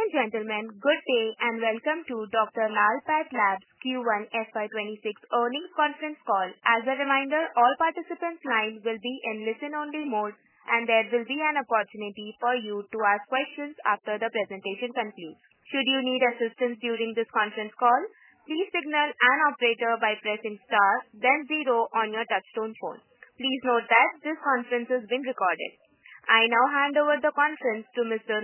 Ladies and gentlemen, good day and welcome to doctor Lalpak Lab's q one FY twenty six earnings conference call. As a reminder, all participants' lines will be in listen only mode and there will be an opportunity for you to ask questions after the presentation concludes. Please note that this conference is being recorded. I now hand over the conference to mister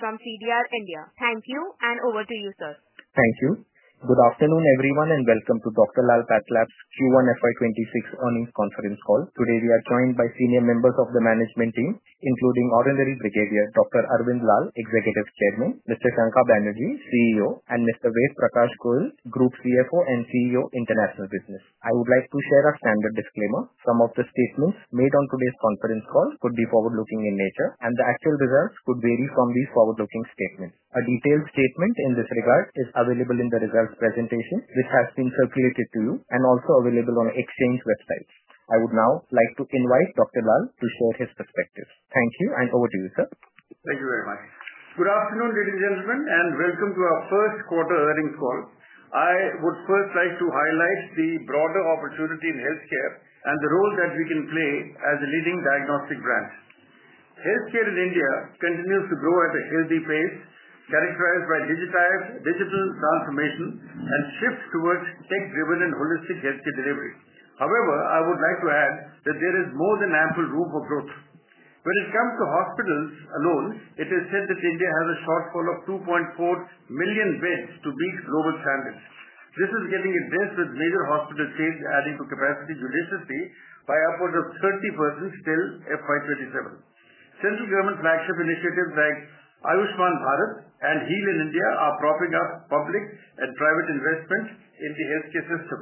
from CDR India. Thank you and over to you sir. Thank you. Good afternoon everyone and welcome to doctor Lal Path Lab's q one FY twenty six earnings conference call. Today we are joined by senior members of the management team including ordinary brigadier, doctor Arvind Lal, executive chairman, mister Sankar Banerjee, CEO, and mister Waif Prakash Gurl, group CFO and CEO, international business. I would like to share a standard disclaimer. Some of the statements made on today's conference call could be forward looking in nature, and the actual results could vary from these forward looking statements. A detailed statement in this regard is available in the results presentation, which has been circulated to you and also available on exchange websites. I would now like to invite doctor Lal to share his perspective. Thank you and over to you sir. Thank you very much. Good afternoon ladies and gentlemen and welcome to our first quarter earnings call. I would first like to highlight the broader opportunity in healthcare and the role that we can play as a leading diagnostic brand. Healthcare in India continues to grow at a healthy pace characterized by digitized digital transformation and shift towards tech driven and holistic healthcare delivery. However, I would like to add that there is more than ample room for growth. When it comes to hospitals alone, it is said that India has a shortfall of 2,400,000 beds to reach global standards. This is getting addressed with major hospital seats adding to capacity judiciously by upwards of 30% till FY '27. Central government flagship initiatives like Ayushman Bharat and Heal in India are propping up public and private investment in the healthcare system.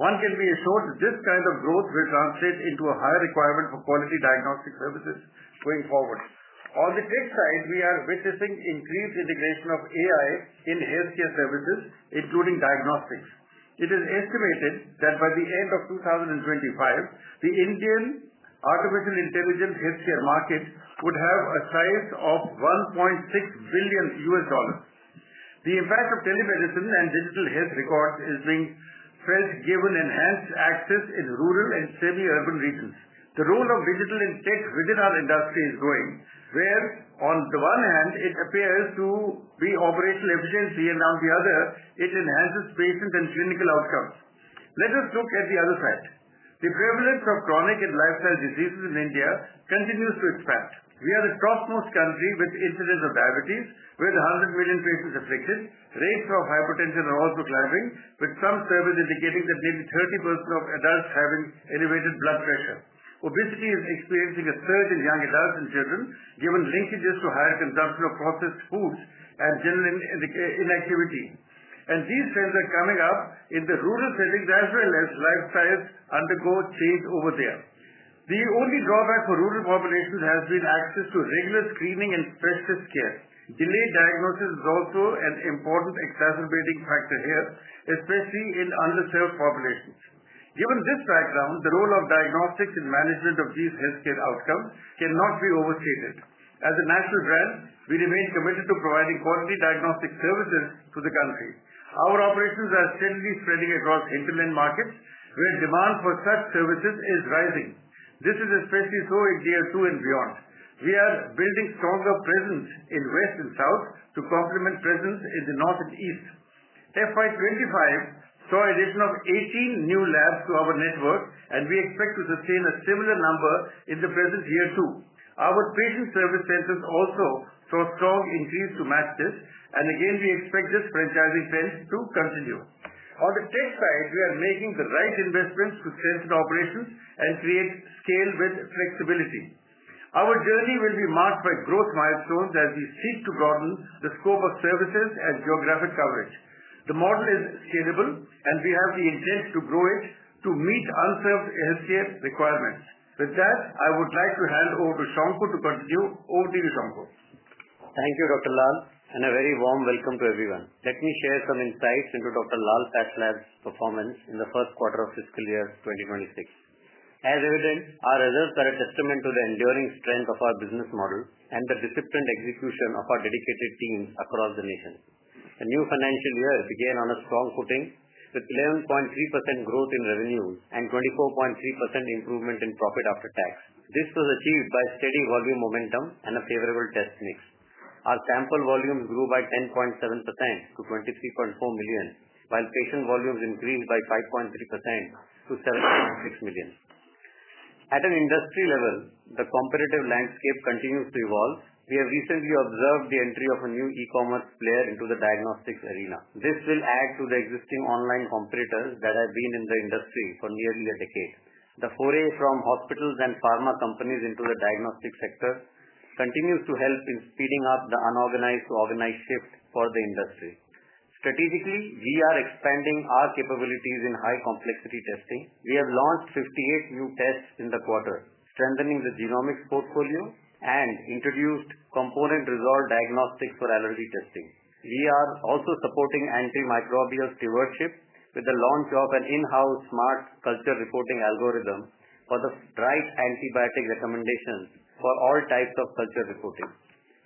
One can be assured that this kind of growth will translate into a higher requirement for quality diagnostic services going forward. On the tech side, we are witnessing increased integration of AI in healthcare services, including diagnostics. It is estimated that by the 2025, the Indian artificial intelligence healthcare market would have a size of 1,600,000,000.0 U. S. Dollars. The impact of telemedicine and digital health record is being felt given enhanced access in rural and semi urban regions. The role of digital in tech within our industry is growing, where on the one hand, it appears to be operational efficiency and on the other, it enhances patient and clinical outcomes. Let us look at the other side. The prevalence of chronic and lifestyle diseases in India continues to expand. We are the topmost country with incidence of diabetes with a hundred million patients afflicted, rates of hypertension are also climbing with some survey indicating that maybe thirty percent of adults having elevated blood pressure. Obesity is experiencing a surge in young adults and children, given linkages to higher consumption of processed foods and general inactivity. And these trends are coming up in the rural settings as well as life science undergo change over there. The only drawback for rural population has been access to regular screening and specialist care. Delayed diagnosis is also an important exacerbating factor here, especially in underserved populations. Given this background, the role of diagnostics in management of these health care outcomes cannot be overstated. As a national brand, we remain committed to providing quality diagnostic services to the country. Our operations are steadily spreading across hinterland markets, where demand for such services is rising. This is especially so in tier two and beyond. We are building stronger presence in West and South to complement presence in the North and East. FY twenty five saw addition of 18 new labs to our network and we expect to sustain a similar number in the present year too. Our patient service centers also saw strong increase to match this and again we expect this franchising trend to continue. On the tech side, we are making the right investments to strengthen operations and create scale with flexibility. Our journey will be marked by growth milestones as we seek to broaden the scope of services and geographic coverage. The model is scalable and we have the intent to grow it to meet unserved LCF requirements. With that, I would like to hand over to Shankar to continue. Over to you Shankar. Thank you, doctor Lal, and a very warm welcome to everyone. Let me share some insights into Doctor. Lal PatchLab's performance in the 2026. As evident, our results are a testament to the enduring strength of our business model and the disciplined execution of our dedicated teams across the nation. The new financial year began on a strong footing with 11.3% growth in revenues and 24.3% improvement in profit after tax. This was achieved by steady volume momentum and a favorable test mix. Our sample volumes grew by 10.7% to 23,400,000, while patient volumes increased by five point three percent to seven point six million. At an industry level, the competitive landscape continues to evolve. We have recently observed the entry of a new e commerce player into the diagnostics arena. This will add to the existing online competitors that have been in the industry for nearly a decade. The foray from hospitals and pharma companies into the diagnostic sector continues to help in speeding up the unorganized to organized shift for the industry. Strategically, we are expanding our capabilities in high complexity testing. We have launched 58 new tests in the quarter, strengthening the genomics portfolio and introduced component resolved diagnostics for allergy testing. We are also supporting antimicrobial stewardship with the launch of an in house smart culture reporting algorithm for the right antibiotic recommendation for all types of culture reporting.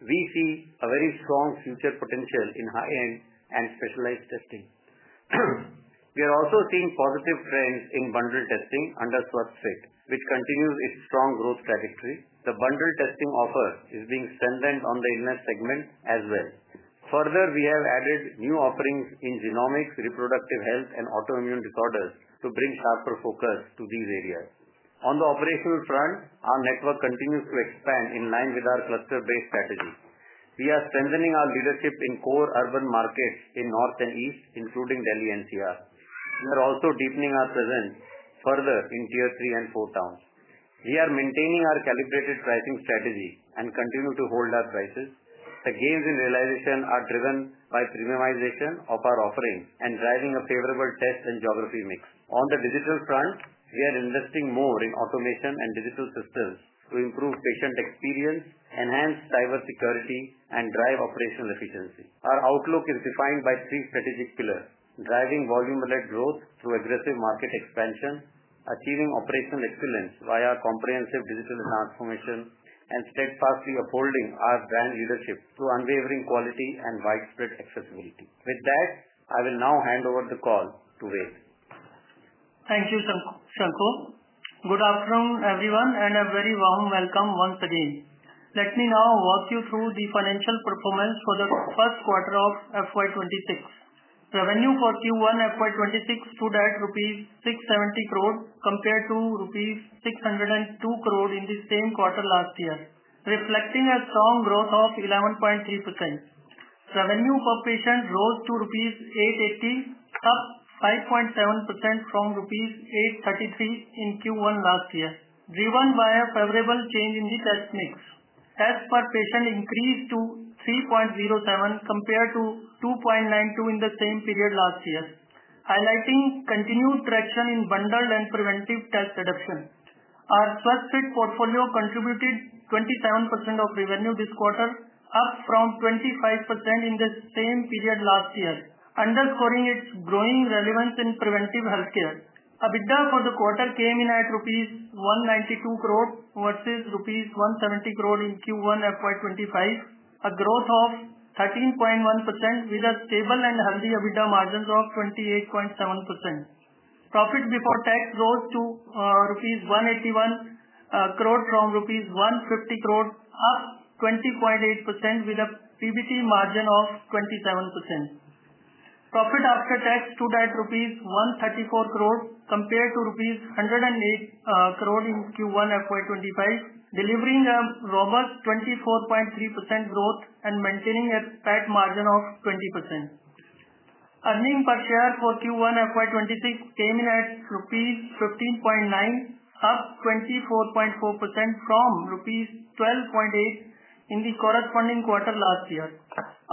We see a very strong future potential in high end and specialized testing. We are also seeing positive trends in bundled testing under Swastrite, which continues its strong growth trajectory. The bundled testing offer is being strengthened on the Inner segment as well. Further, we have added new offerings in genomics, reproductive health and autoimmune disorders to bring sharper focus to these areas. On the operational front, our network continues to expand in line with our cluster based strategy. We are strengthening our leadership in core urban markets in North And East, including Delhi and CR. We are also deepening our presence further in Tier three and four towns. We are maintaining our calibrated pricing strategy and continue to hold our prices. The gains in realization are driven by premiumization of our offering and driving a favorable test and geography mix. On the digital front, we are investing more in automation and digital systems to improve patient experience, enhance cyber security and drive operational efficiency. Our outlook is defined by three strategic pillars, driving volume related growth through aggressive market expansion, achieving operational excellence via comprehensive digital transformation and steadfastly upholding our brand leadership through unwavering quality and widespread accessibility. With that, I will now hand over the call to Ved. Thank you, Shankh. Good afternoon, everyone, and a very warm welcome once again. Let me now walk you through the financial performance for the '6. Revenue for Q1 FY 'twenty six stood at rupees $6.70 crore compared to rupees $6.00 2 crore in the same quarter last year, reflecting a strong growth of 11.3%. Revenue per patient rose to rupees $8.80, up 5.7% from rupees $8.33 in Q1 last year, driven by a favorable change in the test mix. Test per patient increased to 3.07 compared to 2.92 in the same period last year, highlighting continued traction in bundled and preventive test adoption. Our Trusted portfolio contributed 27% of revenue this quarter, up from 25% in the same period last year, underscoring its growing relevance in preventive healthcare. EBITDA for the quarter came in at rupees 192 crore versus rupees 170 crore in Q1 FY 'twenty five, a growth of 13.1% with a stable and healthy EBITDA margins of 28.7%. Profit before tax rose to rupees 181 crore from rupees 150 crore, up 20.8% with a PBT margin of 27%. Profit after tax stood at rupees 134 crore compared to rupees 108 crore in Q1 FY five, delivering a robust 24.3 growth and maintaining a net margin of 20%. Earnings per share for Q1 FY 'twenty six came in at rupees 15.9, up 24.4% from rupees 12.8 in the corresponding quarter last year.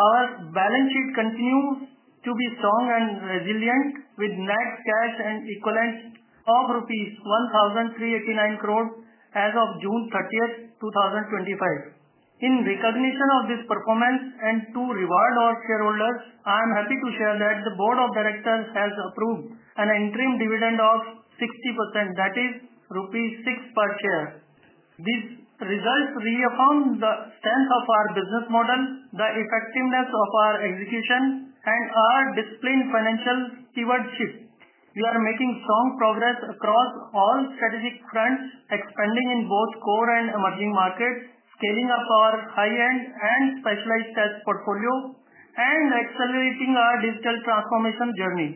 Our balance sheet continues to be strong and resilient with net cash and equivalents of rupees $13.89 crore as of 06/30/2025. In recognition of this performance and to reward our shareholders, I'm happy to share that the Board of Directors has approved an interim dividend of 60% that is rupees 6 per share. These results reaffirm the strength of our business model, the effectiveness of our execution and our disciplined financial stewardship. We are making strong progress across all strategic fronts, expanding in both core and emerging markets, scaling up our high end and specialized SaaS portfolio and accelerating our digital transformation journey.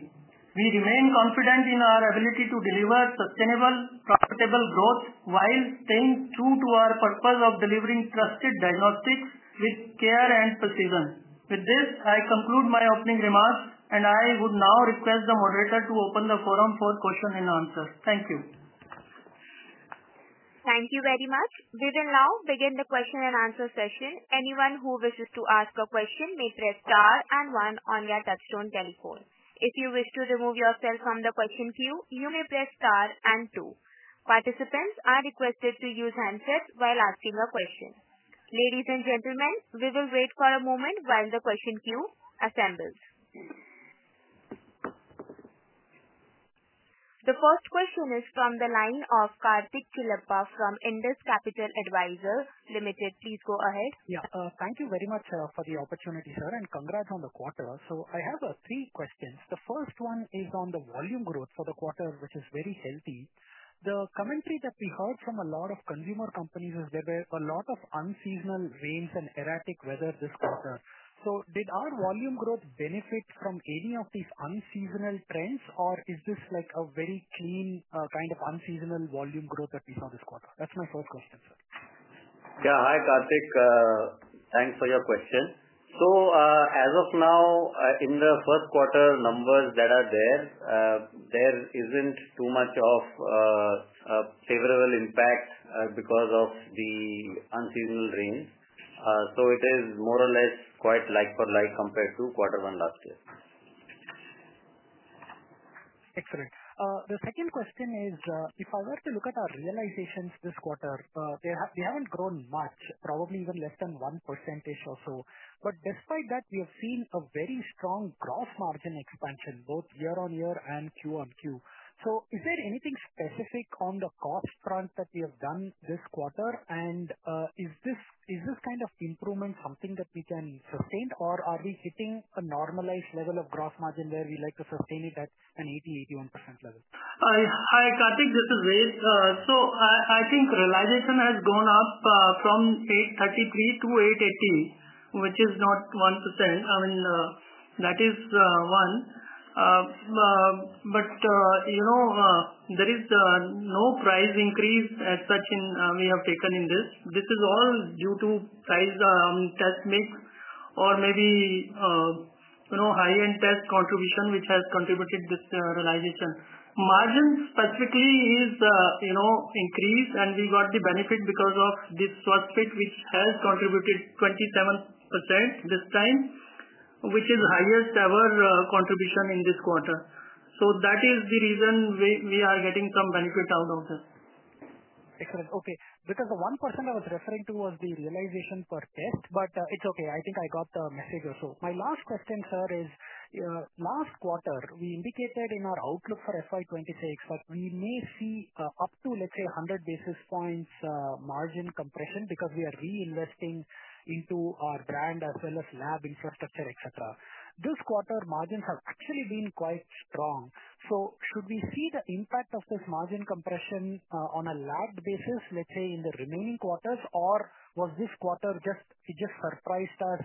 We remain confident in our ability to deliver sustainable profitable growth while staying true to our purpose of delivering trusted diagnostics with care and precision. With this, I conclude my opening remarks and I would now request the moderator to open the forum for question and answer. Thank you. Thank you very much. We will now begin the question and answer session. Anyone who wishes to ask a question may press star and one on your touch tone telephone. If you wish to remove yourself from the question queue, you may press star and 2. Participants are requested to use handset while asking a question. Ladies and gentlemen, we will wait for a moment while the question queue assembles. The first question is from the line of Kartik Chilipa from Indus Capital Advisors Limited. Please go ahead. Yeah. Thank you very much for the opportunity, sir, and congrats on the quarter. So I have three questions. The first one is on the volume growth for the quarter, which is very healthy. The commentary that we heard from a lot of consumer companies is there were a lot of unseasonal rains and erratic weather this quarter. So did our volume growth benefit from any of these unseasonal trends? Or is this like a very clean kind of unseasonal volume growth that we saw this quarter? That's my first question, sir. Yeah. Hi, Kartik. Thanks for your question. So as of now, in the first quarter numbers that are there, there isn't too much of favorable impact because of the unseasonal rains. So it is more or less quite like for like compared to quarter one last year. Excellent. The second question is, if I were to look at our realizations this quarter, they have they haven't grown much, probably even less than one percentage or so. But despite that, we have seen a very strong gross margin expansion, both year on year and q on q. So is there anything specific on the cost front that we have done this quarter? And is this is this kind of improvement something that we can sustain, or are we hitting a normalized level of gross margin where we like to sustain it at an 81% level? Hi, Kartik. This is Riz. So I I think realization has gone up from eight thirty three to eight eighty, which is not 1%. I mean that is one. But there is no price increase as such in we have taken in this. This is all due to price test mix or maybe high end test contribution, which has contributed this realization. Margin specifically is increased and we got the benefit because of this Swat Fit, which has contributed 27% this time, which is highest ever contribution in this quarter. So that is the reason we we are getting some benefit out of this. Excellent. Okay. Because the 1% I was referring to was the realization per test, but it's okay. I think I got the message also. My last question, sir, is last quarter, we indicated in our outlook for FY twenty six that we may see up to, let's say, a 100 basis points margin compression because we are reinvesting into our brand as well as lab infrastructure, etcetera. This quarter, margins have actually been quite strong. So should we see the impact of this margin compression on a lag basis, let's say, in the remaining quarters? Or was this quarter just it just surprised us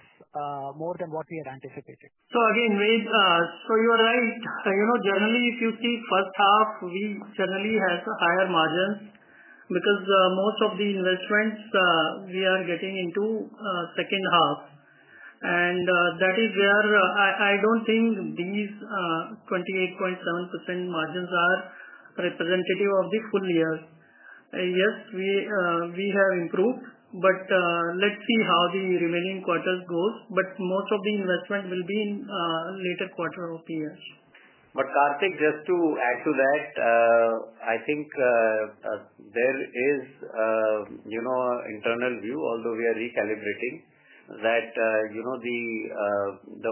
more than what we had anticipated? So again, with you are right. You know, generally, if you see first half, we generally have higher margins because most of the investments we are getting into second half. And that is where I I don't think these 28.7% margins are representative of the full year. Yes, we have improved, but let's see how the remaining quarters goes, but most of the investment will be in later quarter of the year. But Kartik, just to add to that, I think there is, you know, internal view, although we are recalibrating that, you know, the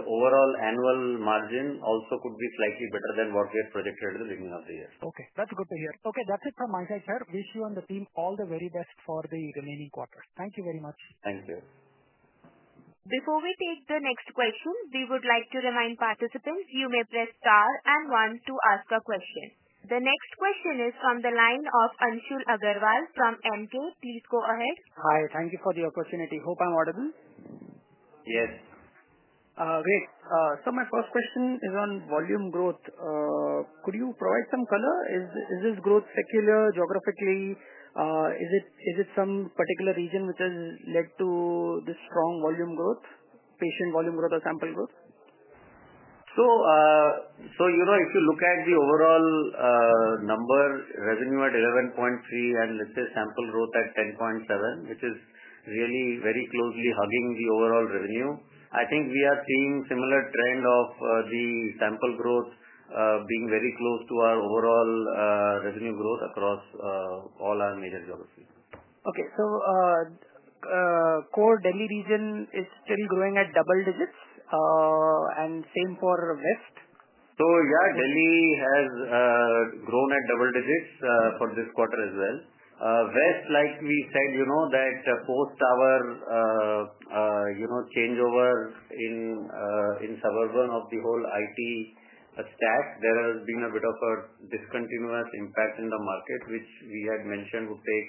the overall annual margin also could be slightly better than what we projected in the beginning of the year. Okay. That's good to hear. Okay. That's it from my side, sir. Wish you and the team all the very best for the remaining quarter. Thank you very much. Thank you. Before we take the next question, we would like to remind participants, you may press star and one to ask a question. The next question is from the line of Anshul Agarwal from MK. Please go ahead. Hi. Thank you for the opportunity. Hope I'm all open. Yes. Great. So my first question is on volume growth. Could you provide some color? Is is this growth secular geographically? Is it is it some particular region which has led to the strong volume growth, patient volume growth or sample growth? So if you look at the overall number, revenue at 11.3 and let's say sample growth at 10.7, which is really very closely hugging the overall revenue, I think we are seeing similar trend of the sample growth being very close to our overall revenue growth across all our major geographies. Okay. So core Delhi region is still growing at double digits and same for West? So, yes, Delhi has grown at double digits for this quarter as well. West, like we said, you know, that post our, you know, changeover in suburban of the whole IT stack, there has been a bit of a discontinuous impact in the market, which we had mentioned would take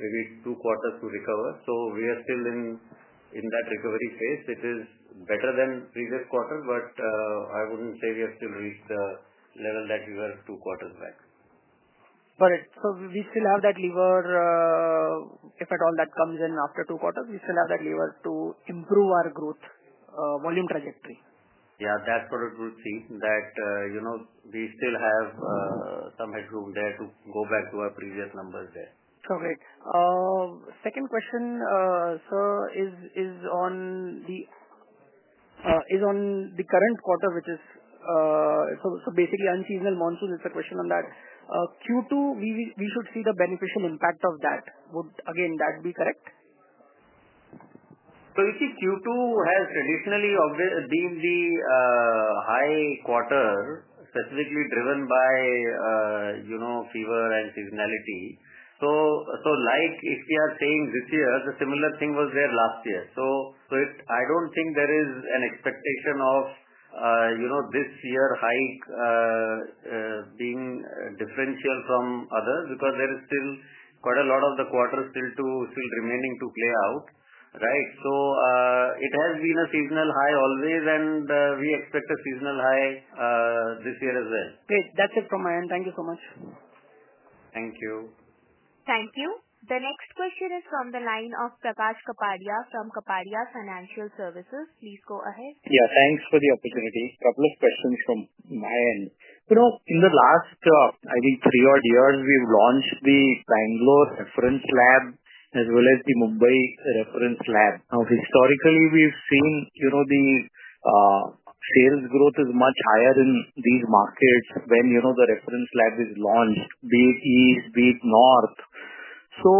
maybe two quarters to recover. So we are still in that recovery phase. It is better than previous quarter, but I wouldn't say we have still reached the level that we were two quarters back. Correct. So we still have that lever if at all that comes in after two quarters, we still have that lever to improve our growth volume trajectory. Yeah. That's what I would see that, you know, we still have some headroom there to go back to our previous numbers there. Correct. Second question, sir, is is on the is on the current quarter, which is so so basically, unseasonal monsoon is a question on that. Q two, we will we should see the beneficial impact of that. Would, again, that be correct? So you see, Q two has traditionally been the high quarter, specifically driven by, you know, fever and seasonality. So so, like, if we are saying this year, the similar thing was there last year. So so it I don't think there is an expectation of, you know, this year hike being differential from others because there is still quite a lot of the quarters still to still remaining to play out. Right? So it has been a seasonal high always, and we expect a seasonal high this year as well. Great. That's it from my end. Thank you so much. Thank you. Thank you. The next question is from the line of Kapadia from Kapadia Financial Services. Please go ahead. Yeah. Thanks for the opportunity. Couple of questions from my end. You know, in the last, I think, three odd years, we've launched the Bangalore reference lab as well as the Mumbai reference lab. Now historically, we've seen, you know, the sales growth is much higher in these markets when, you know, the reference lab is launched, be it East, be it North. So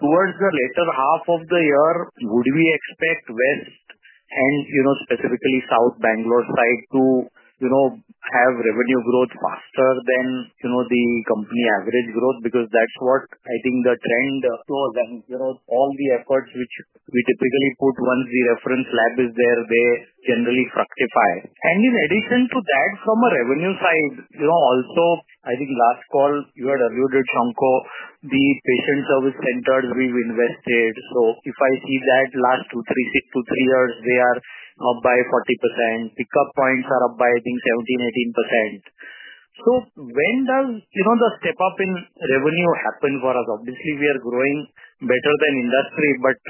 towards the later half of the year, would we expect West and, you know, specifically South Bangalore side to, you know, have revenue growth faster than, you know, the company average growth? Because that's what I think the trend towards and, you know, all the efforts which we typically put once the reference lab is there, they generally rectify. And in addition to that, from a revenue side, you know, I think last call, you had alluded, Shanko, the patient service centers we've invested. So if I see that last two, three, six to three years, they are up by 40%. Pickup points are up by, I think, 18%. So when does, you know, the step up in revenue happen for us? Obviously, we are growing better than industry, but,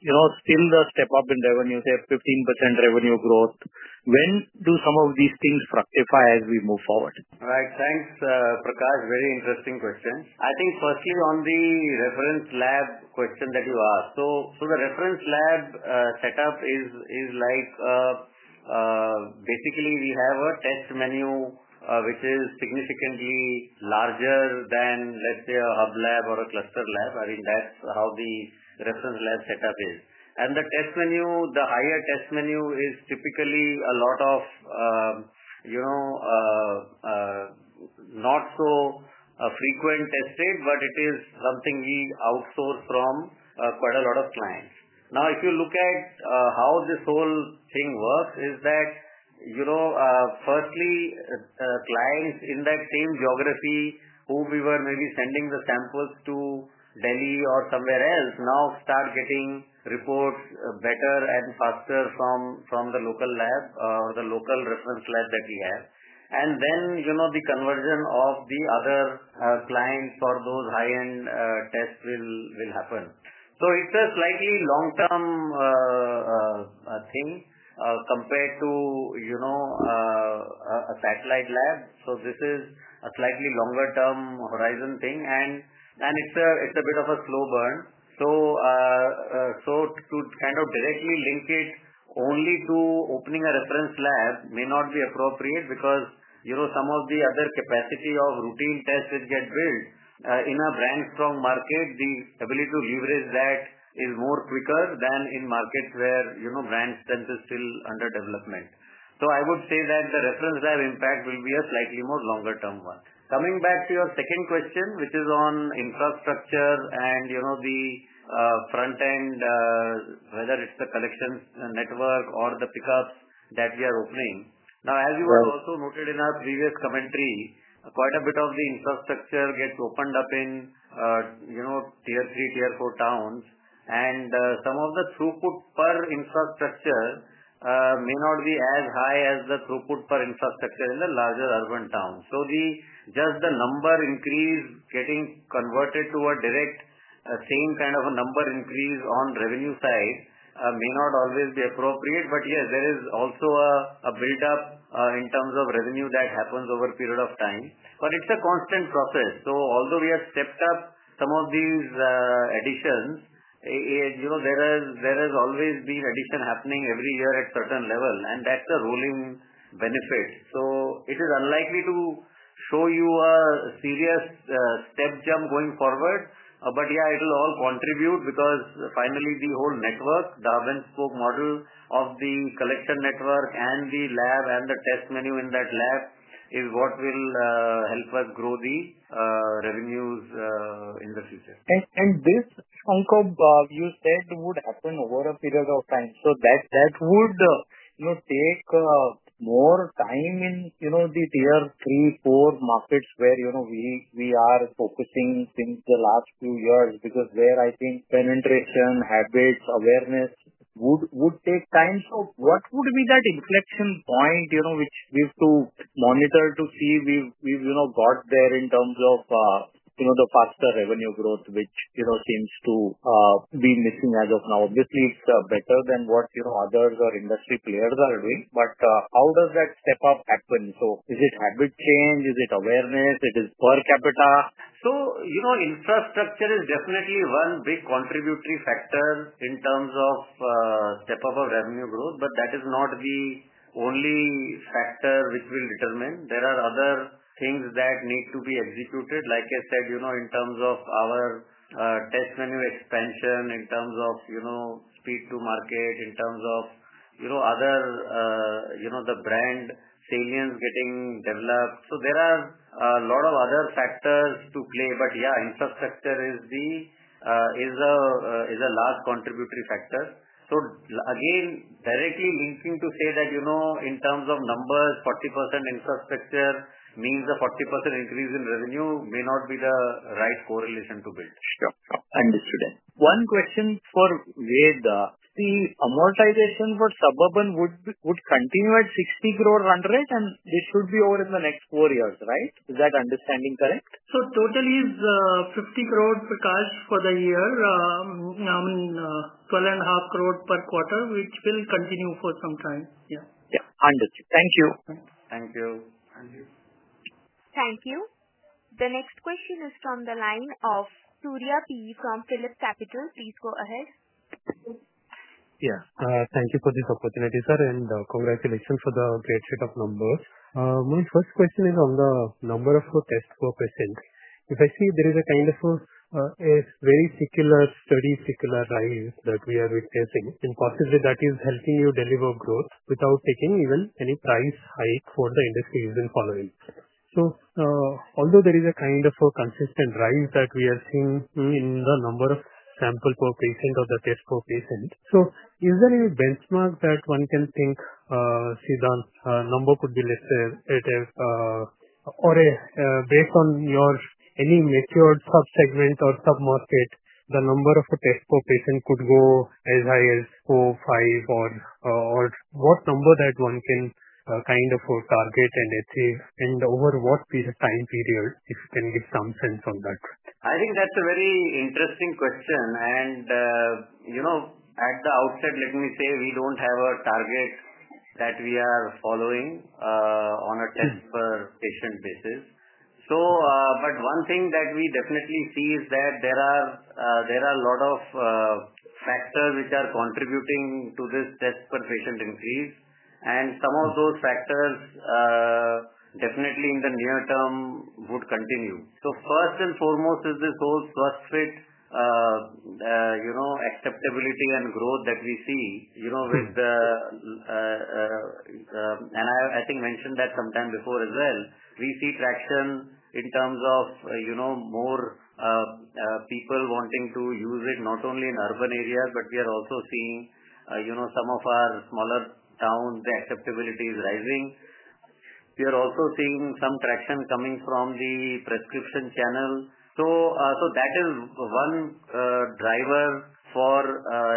you know, still the step up in revenue, say, 15% revenue growth. When do some of these things fructify as we move forward? Right. Thanks, Prakash. Very interesting questions. I think, firstly, on the reference lab question that you asked. So so the reference lab setup is is like basically, we have a test menu, which is significantly larger than, let's say, a hub lab or a cluster lab. I mean, that's how the reference lab setup is. And the test menu, the higher test menu is typically a lot of, you know, not so a frequent tested, but it is something we outsource from quite a lot of clients. Now if you look at how this whole thing works is that, you know, firstly, clients in that same geography who we were maybe sending the samples to Delhi or somewhere else, now start getting reports better and faster from from the local lab, the local reference lab that we have. And then, you know, the conversion of the other clients for those high end tests will will happen. So it's a slightly long term thing compared to, you know, satellite lab. So this is a slightly longer term horizon thing and and it's a it's a bit of a slow burn. So so to kind of directly link it only to opening a reference lab may not be appropriate because, you know, some of the other capacity of routine tests that get built in a branch from market, the ability to leverage that is more quicker than in markets where, you know, brand spend is still under development. So I would say that the reference lab impact will be a slightly more longer term one. Coming back to your second question, which is on infrastructure and, you know, the front end, whether it's the collection network or the pickups that we are opening. Now as you have also noted in our previous commentary, quite a bit of the infrastructure gets opened up in, know, tier three, tier four towns. And some of the throughput per infrastructure may not be as high as the throughput per infrastructure in the larger urban town. So the, just the number increase getting converted to a direct same kind of a number increase on revenue side may not always be appropriate, but yes, there is also a a buildup in terms of revenue that happens over a period of time. But it's a constant process. So although we have stepped up some of these additions, you know, there has there has always been addition happening every year at certain level, and that's the ruling benefit. So it is unlikely to show you a serious step jump going forward, But yeah, it'll all contribute because finally the whole network, the hub and spoke model of the collection network and the lab and the test menu in that lab is what will help us grow the revenues in the future. And and this, Shankhov, you said would happen over a period of time. So that that would, you know, take more time in, you know, the tier three, four markets where, you know, we we are focusing since the last few years because there I think penetration, habits, awareness would would take time. So what would be that inflection point, you know, which we have to monitor to see we've we've, you know, got there in terms of, you know, the faster revenue growth, which, you know, seems to be missing as of now. This leads better than what, you know, others or industry players are doing, but how does that step up happen? So is it habit change? Is it awareness? It is per capita? So, you know, infrastructure is definitely one big contributory factor in terms of step of our revenue growth, but that is not the only factor which will determine. There are other things that need to be executed, like I said, you know, in terms of our test menu expansion, in terms of, you know, speed to market, in terms of, you know, other, you know, the brand salience getting developed. So there are a lot of other factors to play, but yeah, infrastructure is the a large contributory factor. So again, directly linking to say that in terms of numbers, 40% infrastructure means a 40% increase in revenue may not be the right correlation to build. Sure. Understood. One question for Veda. The amortization for Suburban would would continue at 60 crore run rate, and this should be over in the next four years. Right? Is that understanding correct? So total is 50 crore per cash for the year. I mean, 12 and a half crore per quarter, which will continue for some time. Yeah. Yeah. Understood. Thank you. Thank you. Thank you. The next question is from the line of from Philips Capital. Please go ahead. Yeah. Thank you for this opportunity, sir, and congratulations for the great set of numbers. My first question is on the number of your test for questions. If I see there is a kind of a very secular study, secular rise that we are retesting, And possibly that is helping you deliver growth without taking even any price hike for the industries and following. So although there is a kind of a consistent rise that we are seeing in the number of sample per patient or the test for patient. So is there any benchmark that one can think, see, the number could be listed? It is or based on your any matured sub segment or submarket, the number of the TESSCO patient could go as high as four, five, or or what number that one can kind of target and achieve? And over what period of time period, if you can give some sense on that? I think that's a very interesting question. And, you know, at the outset, let me say, we don't have a target that we are following on a 10 per patient basis. So, but one thing that we definitely see is that there are there are lot of factors which are contributing to this test per patient increase and some of those factors definitely in the near term would continue. So first and foremost is this whole prospect, you know, acceptability and growth that we see, you know, with the and I I think mentioned that sometime before as well. We see traction in terms of, you know, more people wanting to use it not only in urban areas, but we are also seeing, you know, some of our smaller towns, the acceptability is rising. We are also seeing some traction coming from the prescription channel. So so that is one driver for,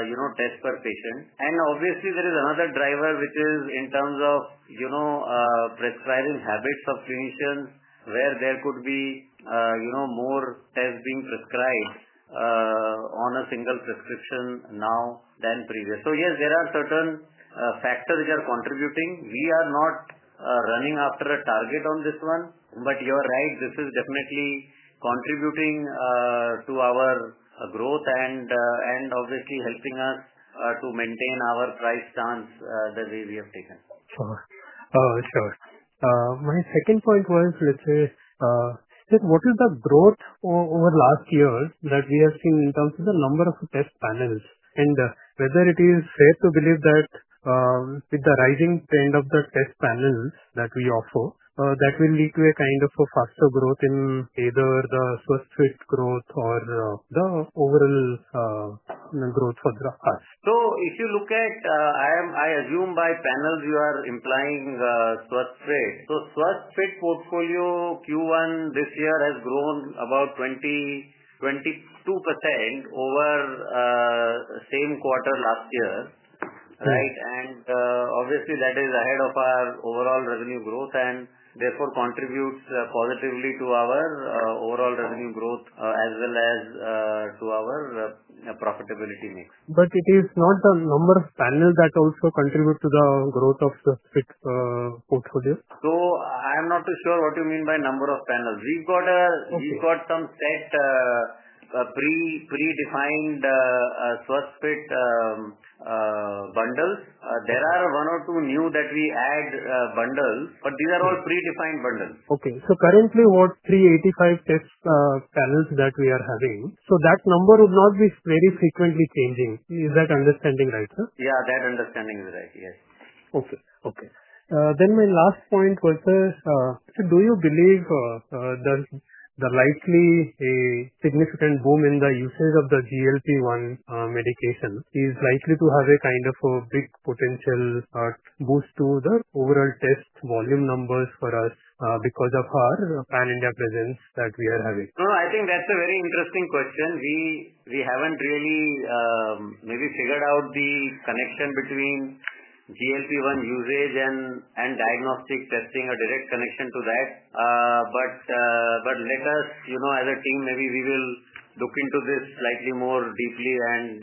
you know, test per patient. And obviously, there is another driver, which is in terms of, you know, prescribing habits of clinicians, where there could be, you know, more tests being prescribed on a single prescription now than previous. So yes, there are certain factors which are contributing. We are not running after a target on this one, but you're right. This is definitely contributing to our growth and and obviously helping us to maintain our price stance the way we have taken. Sure. Second point was, let's say, what is the growth over last year that we have seen in terms of the number of test panels? And whether it is fair to believe that with the rising trend of the test panels that we offer, that will lead to a kind of a faster growth in either the growth or the the overall growth for the past. So if you look at, I am I assume by panels you are implying the Swat Freight. So Swat Freight portfolio q one this year has grown about 2022% over same quarter last year. Right, and obviously that is ahead of our overall revenue growth and therefore contributes positively to our overall revenue growth as well as to our profitability mix. But it is not the number of panel that also contribute to the growth of the fixed portfolio? So I'm not too sure what you mean by number of panels. We've got a we've got some set pre predefined prospect bundles. There are one or two new that we add bundles, but these are all predefined bundles. Okay. So currently, what three eighty five test panels that we are having, so that number would not be very frequently changing. Is that understanding right, sir? Yeah. That understanding is right. Yes. Okay. Okay. Then my last point was, sir, do you believe the the likely a significant boom in the usage of the GLP one medication is likely to have a kind of a big potential boost to the overall test volume numbers for us because of our Pan India presence that we are having. No. No. I think that's a very interesting question. We we haven't really maybe figured out the connection between GLP one usage and and diagnostic testing or direct connection to that. But but let us, you know, as a team, maybe we will look into this slightly more deeply and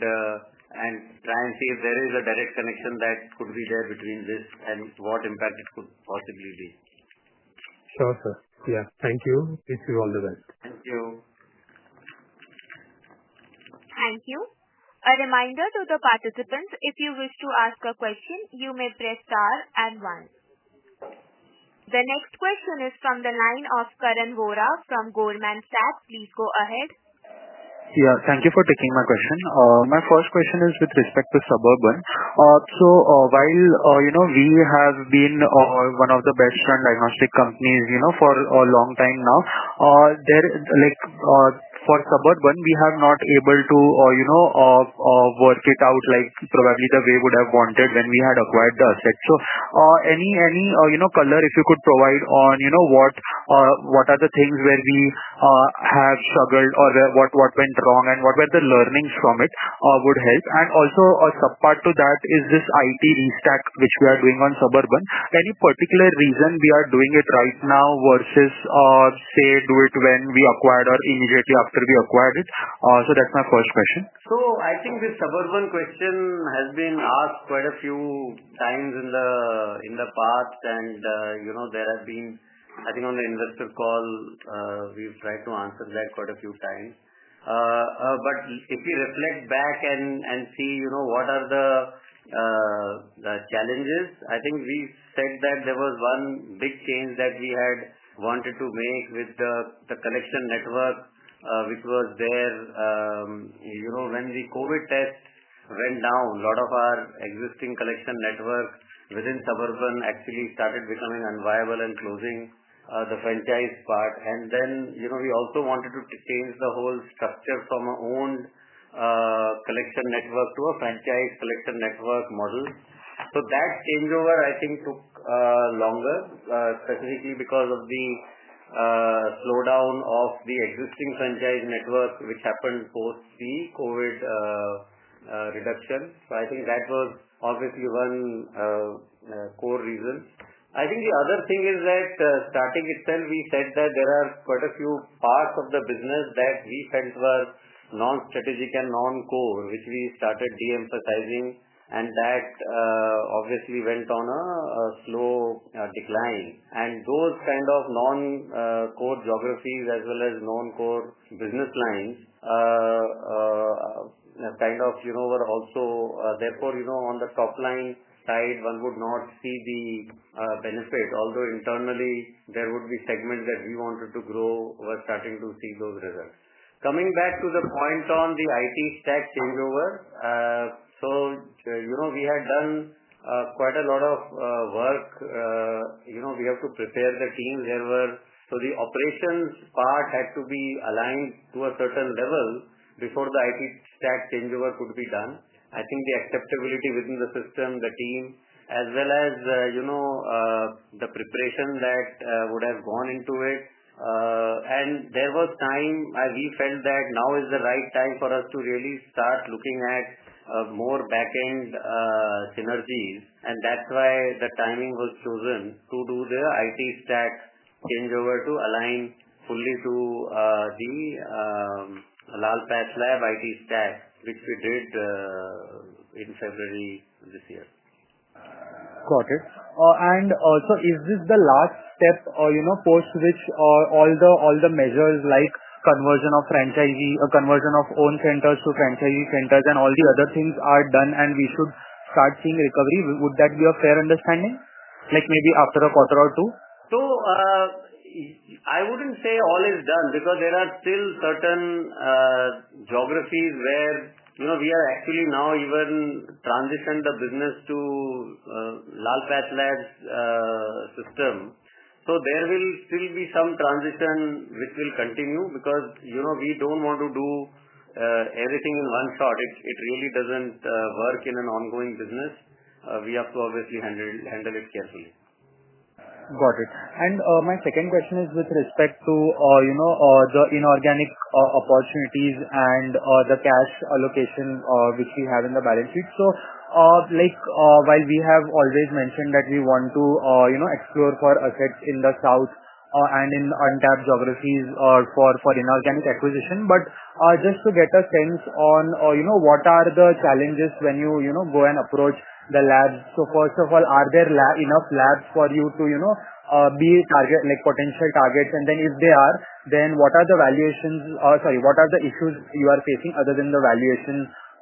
and try and see if there is a direct connection that could be there between this and what impact it could possibly be. Sure sir. Yeah. Thank you. Wish you all the best. Thank you. Thank you. A reminder to the participants, if you wish to ask a question, you may press star and one. The next question is from the line of from Goldman Sachs. Please go ahead. Yeah. Thank you for taking my question. My first question is with respect to Suburban. So while we have been one of the best run diagnostic companies for a long time now, there like for Suburban, we have not able to work it out, like, probably the way we would have wanted when we had acquired the asset. So any any, you know, color if you could provide on, you know, what what are the things where we have struggled or what what went wrong and what were the learnings from it would help. And also a subpart to that is this IT restack, which we are doing on Suburban. Any particular reason we are doing it right now versus, say, do it when we acquired or immediately after we acquired it? So that's my first question. So I think this suburban question has been asked quite a few times in the in the past and, you know, there have been I think on the investor call, we've tried to answer that quite a few times. But if you reflect back and see, you know, what are the challenges, I think we said that there was one big change that we had wanted to make with the the collection network, which was there, you know, when the COVID test went down, lot of our existing collection network within Suburban actually started becoming unviable and closing the franchise part. And then, you know, we also wanted to change the whole structure from our own collection network to a franchise collection network model. So that changeover, I think, took longer, specifically because of the slowdown of the existing franchise network, which happened post the COVID reduction. So I think that was obviously one core reason. I think the other thing is that starting itself, we said that there are quite a few parts of the business that we felt was non strategic and non core, which we started deemphasizing and that obviously went on a slow decline. And those kind of non core geographies as well as non core business lines kind of you know were also therefore you know on the top line side one would not see the benefit although internally there would be segment that we wanted to grow we're starting to see those results. Coming back to the point on the IT stack changeover. So, you know, we had done quite a lot of work. You know, we have to prepare the team. There were so the operations part had to be aligned to a certain level before the IT stack changeover could be done. I think the acceptability within the system, the team, as well as, you know, the preparation that would have gone into it. And there was time, we felt that now is the right time for us to really start looking at more back end synergies, and that's why the timing was chosen to do the IT stack changeover to align fully to the Laul PatchLab IT stack, which we did in February. Got it. And also, is this the last step or, you know, post which all the all the measures like conversion of franchisee or conversion of own centers to franchisee centers and all the other things are done and we should start seeing recovery? Would that be a fair understanding? Like, maybe after a quarter or two? So I wouldn't say all is done because there are still certain geographies where, you know, we are actually now even transition the business to Lalpatch Labs system. So there will still be some transition which will continue because, you know, we don't want to do everything in one shot. It it really doesn't work in an ongoing business. We have to obviously handle handle it carefully. Got it. And my second question is with respect to, you know, the inorganic opportunities and the cash allocation which we have in the balance sheet. So, like, while we have always mentioned that we want to, you know, explore for assets in the South and in untapped geographies or for for inorganic acquisition, but just to get a sense on, you know, what are the challenges when you, you know, go and approach the labs? So first of all, are there enough labs for you to, you know, be a target like, potential targets? And then if they are, then what are the valuations sorry. What are the issues you are facing other than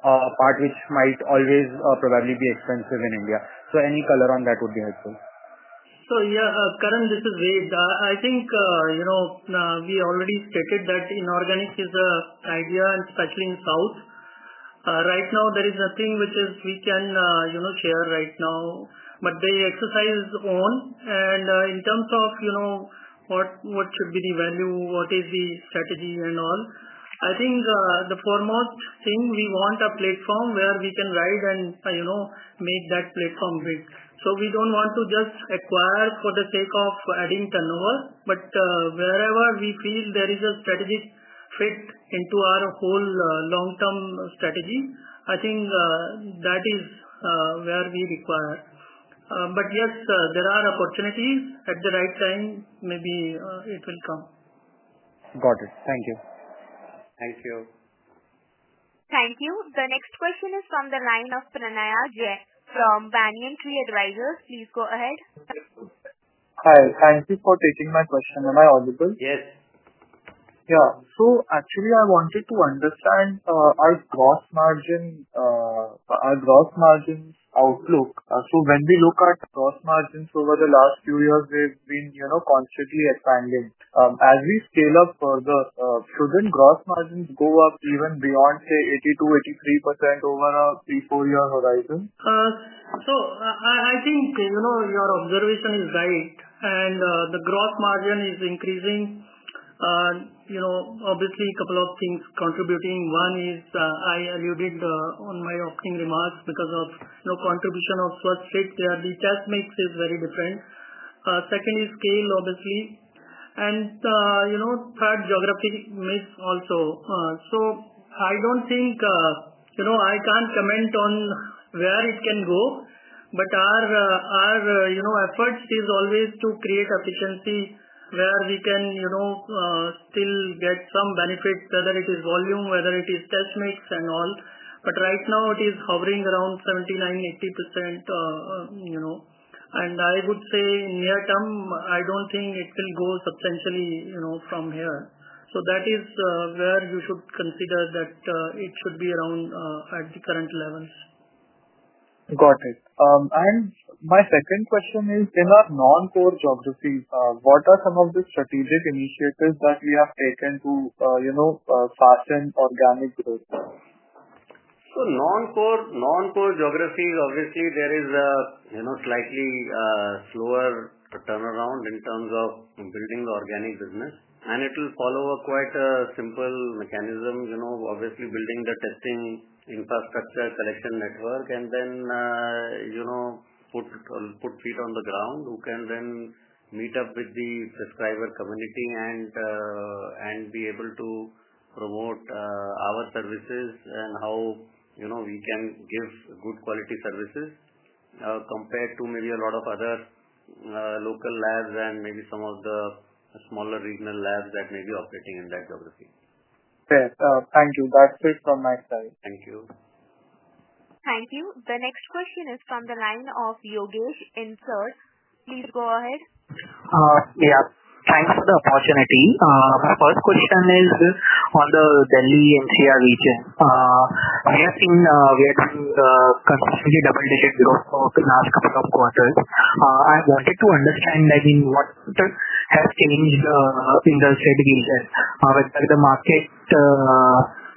the valuation part which might always probably be expensive in India? So any color on that would be helpful. So, yes, Karan, this is Ved. I think, you know, we already stated that inorganic is a idea, especially in South. Right now, there is nothing which is we can share right now, but they exercise on. And in terms of what should be the value, what is the strategy and all, I think the foremost thing, we want a platform where we can ride and make that platform great. So we don't want to just acquire for the sake of adding turnover. But wherever we feel there is a strategic fit into our whole long term strategy, I think that is where we require. But yes, there are opportunities. At the right time, maybe it will come. Got it. Thank you. Thank you. You. The next question is from the line of Pranaya Jay from Banyan Tree Advisors. Please go ahead. Hi. Thank you for taking my question. Am I audible? Yes. Yeah. So, actually, I wanted to understand our gross margin our gross margin outlook. So when we look at gross margins over the last few years, they've been, you know, constantly expanding. As we scale up further, shouldn't gross margins go up even beyond, say, 82, 83% over a three, four year horizon? So I I think, you know, your observation is right, and the gross margin is increasing. You know, obviously, a couple of things contributing. One is I alluded on my opening remarks because of no contribution of first fit. The test mix is very different. Second is scale, obviously. And third, geographic mix also. So I don't think I can't comment on where it can go, but our efforts is always to create efficiency where we can still get some benefits, whether it is volume, whether it is test mix and all. But right now, it is hovering around 79%, 80%. You know. And I would say near term, I don't think it will go substantially, you know, from here. So that is where you should consider that it should be around at the current levels. Got it. And my second question is, in our noncore geographies, what are some of the strategic initiatives that we have taken to, you know, fasten organic growth? So non core non core geographies, obviously, there is a, you know, slightly slower turnaround in terms of building the organic business, and it will follow a quite simple mechanism, you know, obviously building the testing infrastructure collection network and then, you know, put put feet on the ground who can then meet up with the subscriber community and and be able to promote our services and how, you know, we can give good quality services compared to maybe a lot of other local labs and maybe some of the smaller regional labs that may be operating in that geography. Thank you. That's it from my side. Thank you. Thank you. The next question is from the line of Yogesh Insert. Please go ahead. Yeah. Thanks for the opportunity. My first question is on the Delhi and CR Region. We have seen we have seen consistently double digit growth in last couple of quarters. I wanted to understand, I mean, what has changed in the situation, Whether the market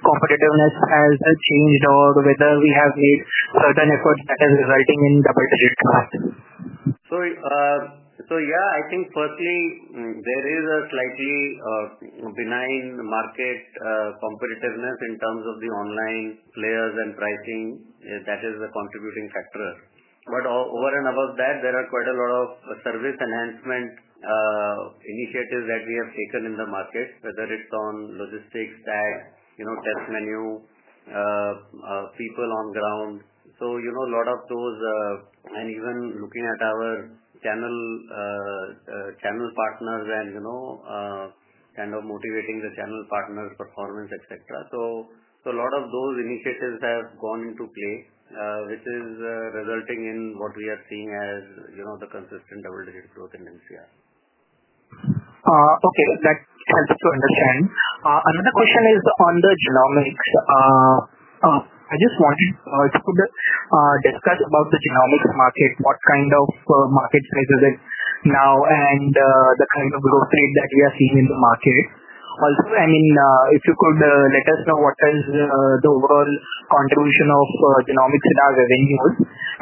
competitiveness has changed or whether we have made certain efforts that are resulting in double digit growth? So so, yeah, I think, firstly, there is a slightly benign market competitiveness in terms of the online players and pricing that is a contributing factor. But over and above that, there are quite a lot of service enhancement initiatives that we have taken in the market, whether it's on logistics, tag, you know, test menu, people on ground. So, you know, a lot of those and even looking at our channel channel partners and, you know, kind of motivating the channel partners performance, etcetera. So so a lot of those initiatives have gone into play, which is resulting in what we are seeing as, you know, the consistent double digit growth in MCR. Okay. That helps to understand. Another question is on the genomics. I just wanted to discuss about the genomics market, what kind of market now and kind of growth rate that we are seeing in the market. Also, I mean, if you could let us know what is the overall contribution of genomics in our revenue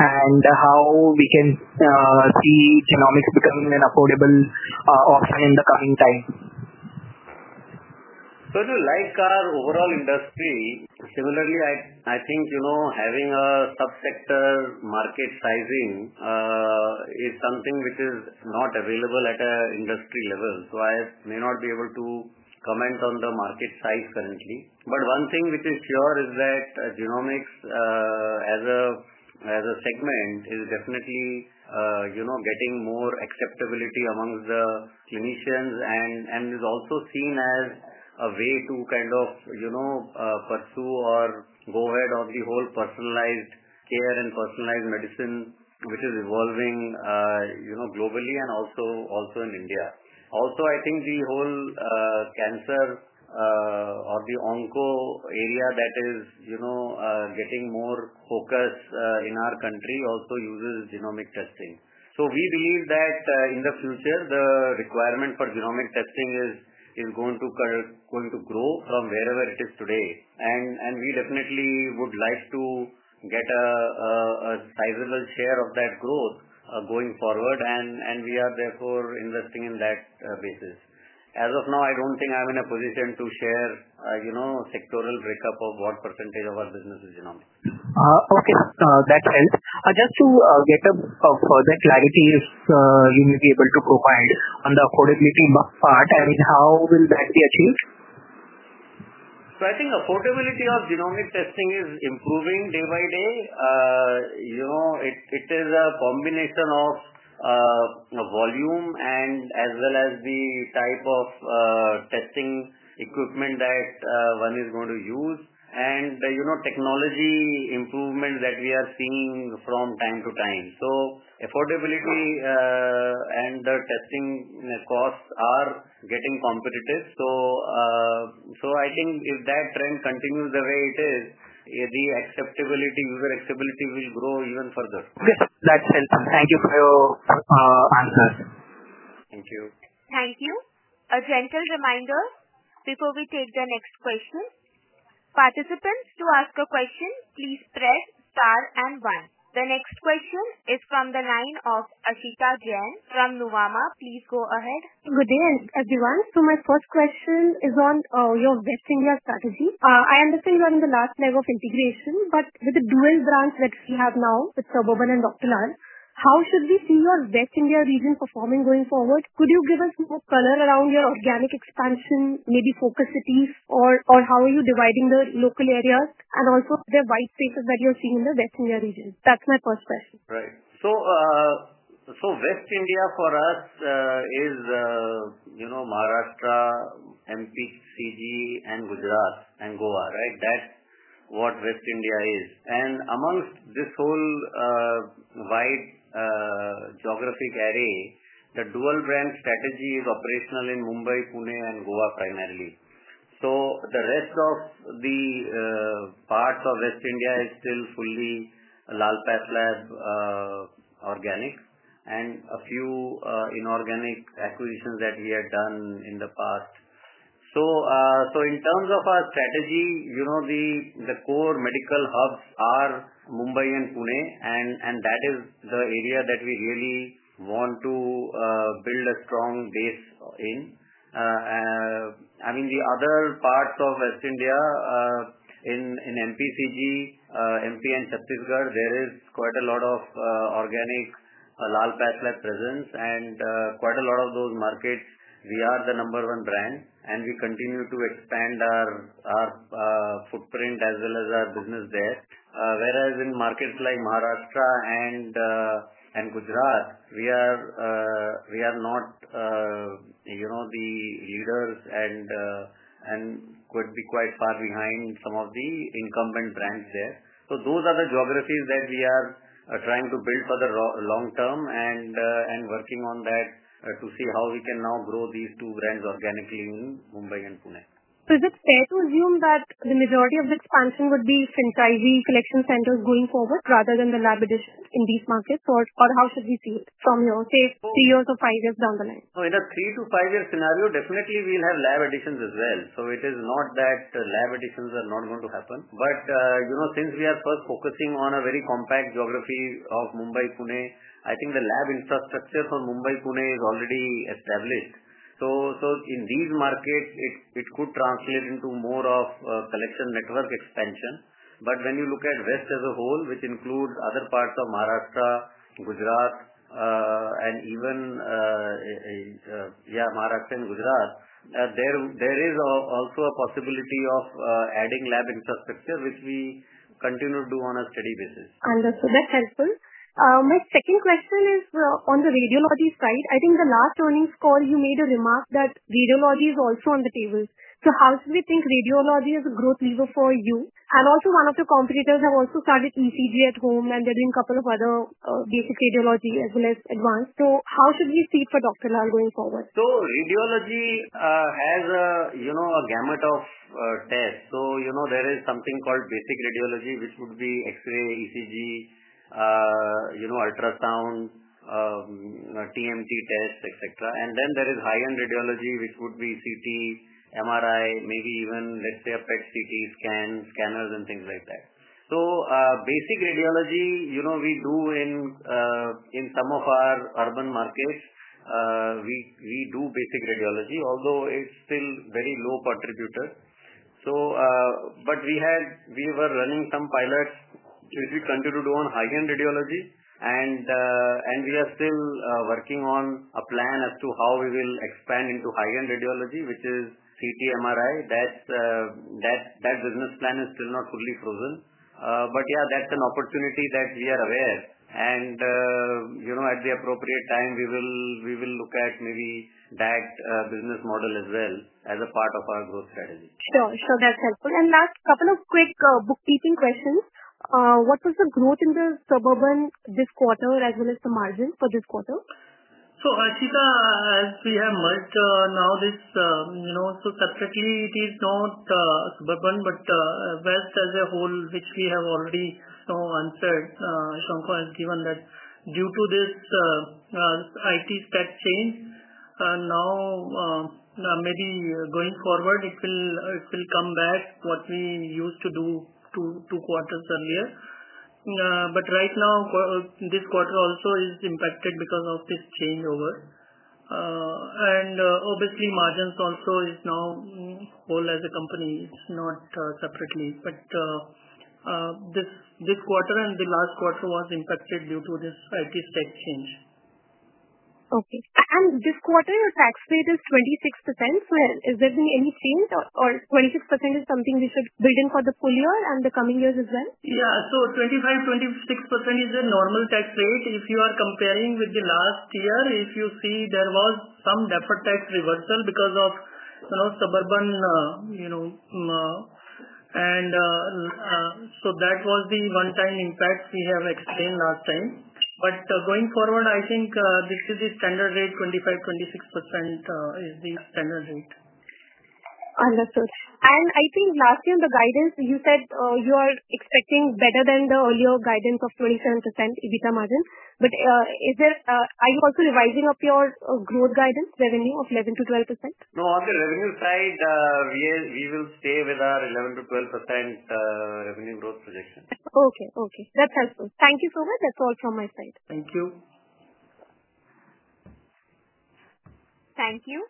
and how we can see genomics becoming an affordable option in the coming time? So like our overall industry, similarly, I think having a sub sector market sizing is something which is not available at a industry level. So I may not be able to comment on the market size currently. But one thing which is sure is that genomics as a segment is definitely, you know, getting more acceptability amongst the clinicians and and is also seen as a way to kind of, you know, pursue or go ahead of the whole personalized care and personalized medicine, which is evolving, you know, globally and also also in India. Also, I think the whole cancer or the onco area that is, you know, getting more focused in our country also uses genomic testing. So we believe that in the future, the requirement for genomic testing is going to grow from wherever it is today. And we definitely would like to get a a sizable share of that growth going forward, and and we are therefore investing in that basis. As of now, I don't think I'm in a position to share, you know, sectoral breakup of what percentage of our business is. Okay. That helps. Just to get a further clarity if you may be able to provide on the affordability part, I mean, how will that be achieved? So I think affordability of genomic testing is improving day by day. You know, it it is a combination of volume and as well as the type of testing equipment that one is going to use. And, you know, technology improvement that we are seeing from time to time. So affordability and the testing costs are getting competitive. So so I think if that trend continues the way it is, the acceptability, user acceptability will grow even further. Yes. That's helpful. Thank you for your answer. Thank you. Thank you. A gentle reminder, before we take the next question, participants to ask a question, please press star and one. The next question is from the line of Ashita Gyan from Nuvama. Please go ahead. Good day, everyone. So my first question is on your best India strategy. I understand you're on the last leg of integration, but with the dual branch that we have now with Suburban and Doctor. La, how should we see your best India region performing going forward? Could you give us more color around your organic expansion, maybe focus cities, or or how are you dividing the local areas and also the white spaces that you're seeing in the West India region? That's my first question. Right. So so West India for us is, you know, Maharashtra, MPEG, and Gujarat and Goa, right? That's what West India is. And amongst this whole wide geographic array, the dual brand strategy is operational in Mumbai, Pune and Goa primarily. So the rest of the parts of West India is still fully Lalpas Lab organic and a few inorganic acquisitions that we had done in the past. So so in terms of our strategy, you know, the the core medical hubs are Mumbai and Pune, and and that is the area that we really want to build a strong base in. I mean, the other parts of West India in MPCG, MP and Chattisgarh, there is quite a lot of organic Lalpakla presence and quite a lot of those markets, we are the number one brand and we continue to expand our footprint as well as our business there. Whereas in markets like Maharashtra and Gujarat, we are not you know, the leaders and and could be quite far behind some of the incumbent brands there. So those are the geographies that we are trying to build for the long term and and working on that to see how we can now grow these two brands organically in Mumbai and Pune. So is it fair to assume that the majority of the expansion would be Fintivy collection centers going forward rather than the lab additions in these markets? Or or how should we see it from your, say, three years or five years down the line? So in a three to five years scenario, definitely we'll have lab additions as well. So it is not that lab additions are not going to happen. But, you know, since we are first focusing on a very compact geography of Mumbai Pune, I think the lab infrastructure for Mumbai Pune is already established. So so in these markets, it it could translate into more of collection network expansion. But when you look at rest as a whole, which includes other parts of Maharashtra, Gujarat and even, yeah, Maharashtra and Gujarat, there there is also a possibility of adding lab infrastructure, which we continue to do on a steady basis. Understood. That's helpful. My second question is on the radiology side. I think the last earnings call, you made a remark that radiology is also on the table. So how should we think radiology is a growth lever for you? And also one of your competitors have also started ECG at home, and they're doing couple of other basic radiology as well as advanced. So how should we see it for doctor Lal going forward? So radiology has a, you know, a gamut of test. So, you know, there is something called basic radiology, which would be x-ray, ECG, you know, ultrasound, TMT test, etcetera. And then there is high end radiology, which would be CT, MRI, maybe even, let's say, a PET CT scan, scanners and things like that. So basic radiology, you know, we do in in some of our urban markets. We we do basic radiology, although it's still very low contributor. So but we had we were running some pilots, which we continue to do on high end radiology, and and we are still working on a plan as to how we will expand into high end radiology, which is CT MRI. That that that business plan is still not fully frozen. But, yeah, that's an opportunity that we are aware. And, you know, at the appropriate time, we will we will look at maybe that business model as well as a part of our growth strategy. Sure. Sure. That's helpful. And last couple of quick bookkeeping questions. What was the growth in the suburban this quarter as well as the margin for this quarter? So, Arthita, as we have merged now this, you know, so separately, it is not suburban, but best as a whole, which we have already answered. Shankar has given that due to this IT step change, now maybe going forward, it will come back what we used to do two quarters earlier. But right now, this quarter also is impacted because of this changeover. And obviously, margins also is now whole as a company, it's not separately. But this this quarter and the last quarter was impacted due to this IT state change. Okay. And this quarter, your tax rate is 26%. Well, is there any change or or 26% is something we should build in for the full year and the coming years as Yeah. So 25, 26% is the normal tax rate. If you are comparing with the last year, if you see there was some deferred tax reversal because of suburban, you know, and so that was the onetime impact we have explained last time. But going forward, I think this is the standard rate, 25%, 26% is the standard rate. Understood. And I think last year on the guidance, you said you are expecting better than the earlier guidance of 27% EBITDA margin. But is there are you also revising up your growth guidance, revenue of 11 to 12%? No. On the revenue side, we we will stay with our 11 to 12% revenue growth projection. Okay. Okay. That's helpful. Thank you so much. That's all from my side. Thank you. Thank you.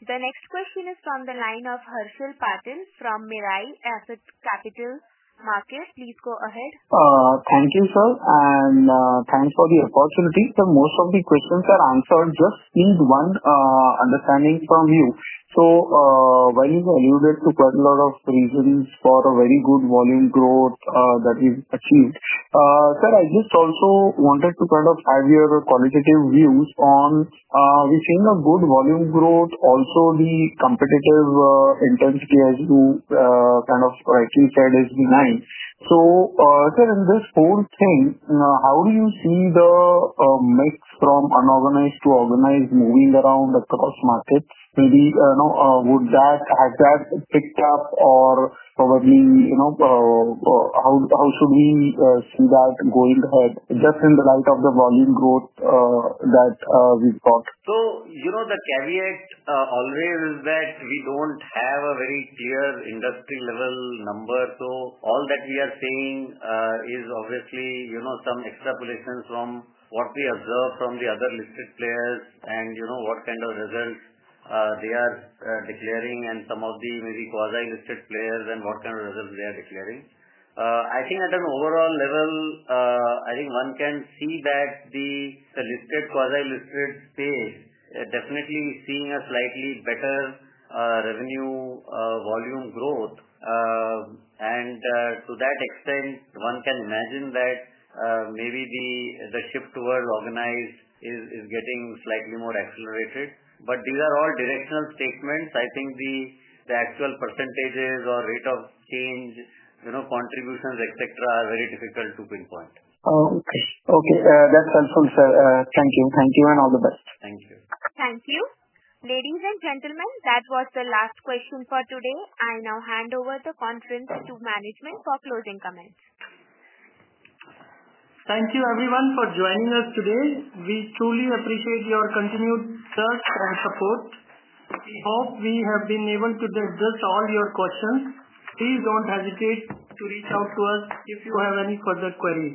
The next question is from the line of Harshil from Merai Asset Capital Markets. Please go ahead. Thank you sir and thanks for the opportunity. Sir most of the questions are answered just need one understanding from you. So while you've alluded to quite a lot of reasons for a very good volume growth that you've achieved, sir, I just also wanted to kind of have your qualitative views on we've seen a good volume growth, also the competitive intensity as you kind of, like, said is benign. So, sir, in this whole thing, how do you see the mix from unorganized to organized moving around across markets? Maybe, you know, would that has that picked up or probably, you know, how how should we see that going ahead just in the light of the volume growth that we've got? So, you know, the caveat always is that we don't have a very clear industry level number. So all that we are saying is obviously, you know, some extrapolations from what we observed from the other listed players and what kind of results they are declaring and some of the maybe quasi listed players and what kind of results they are declaring. I think at an overall level, I think one can see that the listed quasi listed space definitely seeing a slightly better revenue volume growth. And to that extent, one can imagine that maybe the the shift towards organized is is getting slightly more accelerated. But these are all directional statements. I think the the actual percentages or rate of change, you know, contributions, etcetera, are very difficult to pinpoint. Okay. Okay. That's helpful, sir. Thank you. Thank you and all the best. Thank you. Thank you. Ladies and gentlemen, that was the last question for today. I now hand over the conference to management for closing comments. Thank you everyone for joining us today. We truly appreciate your continued search and support. We hope we have been able to digest all your questions. Please don't hesitate to reach out to us if you have any further queries.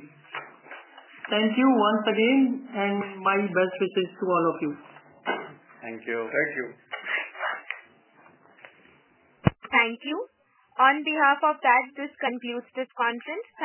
Thank you once again, and my best wishes to all of you. Thank you. Thank you. Thank you. On behalf of that, this concludes this conference.